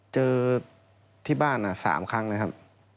เจอที่บ้าน๓ครั้งนะครับ